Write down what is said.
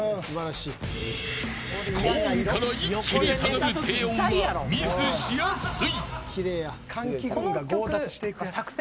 高音から一気に下がる低音はミスしやすい。